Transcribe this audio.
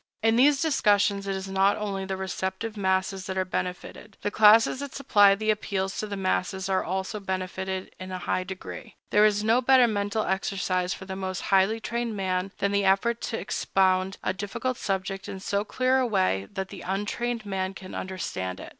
In these discussions, it is not only the receptive masses that are benefited; the classes that supply the appeals to the masses are also benefited in a high degree. There is no better mental exercise for the most highly trained man than the effort to expound a difficult subject in so clear a way that the untrained man can understand it.